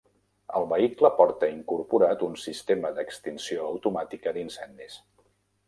El vehicle porta incorporat un sistema d'extinció automàtica d'incendis.